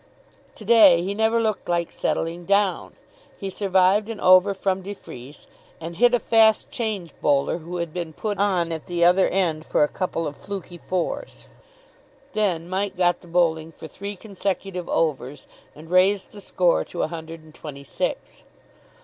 To day he never looked like settling down. He survived an over from de Freece, and hit a fast change bowler who had been put on at the other end for a couple of fluky fours. Then Mike got the bowling for three consecutive overs, and raised the score to a hundred and twenty six.